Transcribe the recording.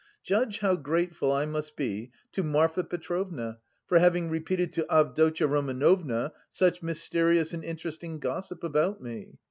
Judge how grateful I must be to Marfa Petrovna for having repeated to Avdotya Romanovna such mysterious and interesting gossip about me.